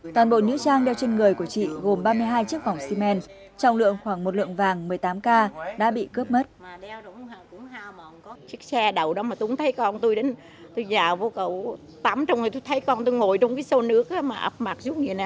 toàn bộ nữ trang đeo trên người của chị gồm ba mươi hai chiếc vòng xi men trọng lượng khoảng một lượng vàng một mươi tám k đã bị cướp mất